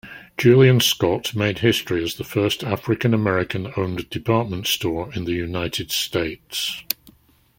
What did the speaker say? Julian Scott made history as the first African-American-owned department store in the United States.